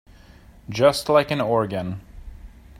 Just like an organ.